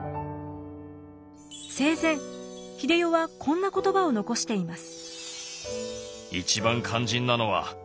生前英世はこんな言葉を残しています。